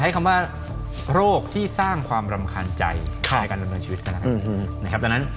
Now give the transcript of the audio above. ทำประกันบรรดชีวิตกัน